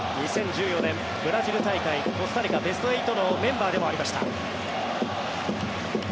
２０１４年ブラジル大会コスタリカ、ベスト８のメンバーでもありました。